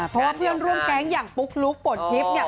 เพราะว่าเพื่อนร่วมแก๊งอย่างปุ๊กลุ๊กฝนทิพย์เนี่ย